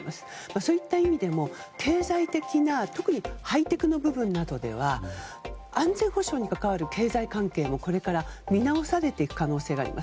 そういった意味でも、経済的な特にハイテクの部分などでは安全保障に関わる経済関係もこれから見直されていく可能性があります。